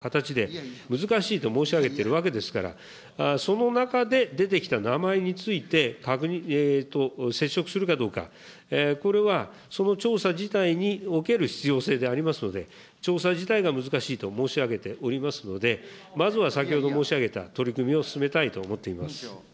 伊達元議長の名前等が出てるということを承知しておりますが、安倍元総理の調査自体が、先ほど申し上げたような形で難しいと申し上げてるわけですから、その中で出てきた名前について、接触するかどうか、これはその調査自体における必要性でありますので、調査自体が難しいと申し上げておりますので、まずは先ほど申し上げた取り組みを進めたいと思っています。